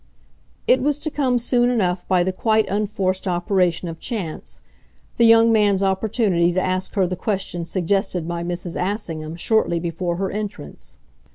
It was to come soon enough by the quite unforced operation of chance, the young man's opportunity to ask her the question suggested by Mrs. Assingham shortly before her entrance.